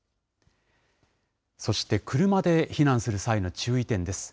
そして車で避難する際の注意点です。